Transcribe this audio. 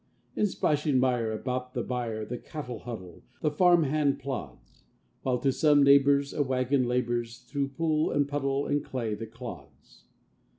In splashing mire about the byre The cattle huddle, the farm hand plods; While to some neighbor's a wagon labors Through pool and puddle and clay that clods.